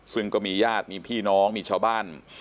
ซึ่งก็มีญาติมีพี่น้องมีชาวบ้าน